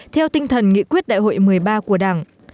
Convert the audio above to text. theo tinh thần nghị quyết đại hội một mươi ba của đảng